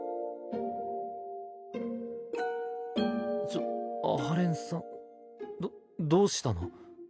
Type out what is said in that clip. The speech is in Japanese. ちょっ阿波連さんどどうしたの？